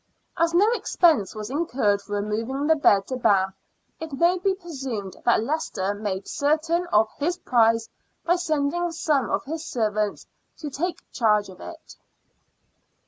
As no expense was incurred for removing the bed to Bath, it may be presumed that Leicester made certain of his prize by sending some of his servants to take charge of it.